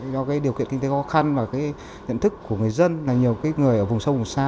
do cái điều kiện kinh tế khó khăn và cái nhận thức của người dân là nhiều người ở vùng sâu vùng xa